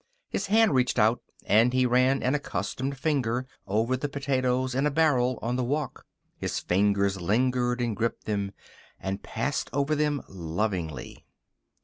His hand reached out and he ran an accustomed finger over the potatoes in a barrel on the walk. His fingers lingered and gripped them, and passed over them lovingly.